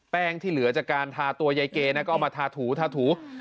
แป้งที่เหลือจากการทาตัวยายเกย์นะก็เอามาทาถู